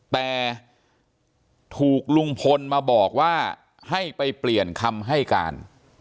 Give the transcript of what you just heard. แต่ถูกลุงพลมาบอกว่าให้ไปเปลี่ยนคำให้การ